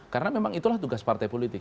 karena memang itulah tugas partai politik